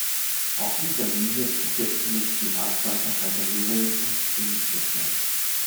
Auf dieser Linie verkehrten zunächst die Raddampfer "Kaiser Wilhelm" und "König Christian".